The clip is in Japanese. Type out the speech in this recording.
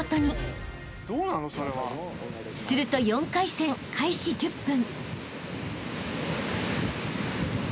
［すると４回戦開始１０分］